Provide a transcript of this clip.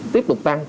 tiếp tục tăng